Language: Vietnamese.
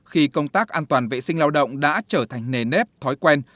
khi công tác an toàn vệ sinh lao động đã trở thành nề nếp thói quen